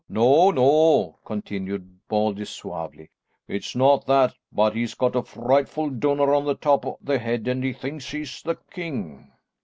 "No, no," continued Baldy suavely, "it's no that, but he's got a frightful dunner on the top o' the head, and he thinks he's the king."